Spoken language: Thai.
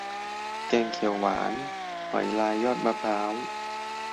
แกงเขียวหวานหอยลายยอดมะพร้าว